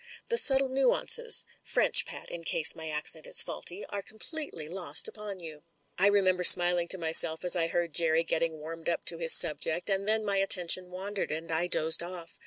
The subtle nuances (French, Pat, in case my accent is faulty) are completely lost upon you." I remember smiling to myself as I heard Jerry getting warmed up to his subject, and then my atten tion wandered, and I dozed off.